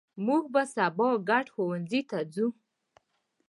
مونږ به سبا ګډ ښوونځي ته ځو